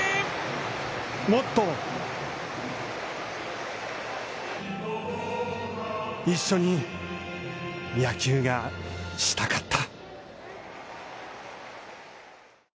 もっと一緒に野球がしたかった。